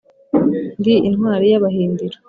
Ndi intwari y'Abahindiro